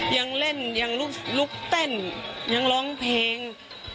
ยังเล่นยังลุกเต้นยังร้องเพลง